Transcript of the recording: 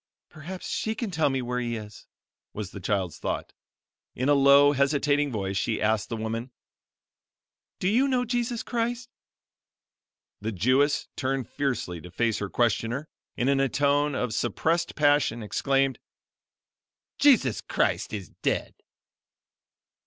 "Perhaps she can tell me where He is," was the child's thought. In a low, hesitating voice, she asked the woman: "Do you know Jesus Christ?" The Jewess turned fiercely to face her questioner and in a tone of suppressed passion, exclaimed: "Jesus Christ is dead!"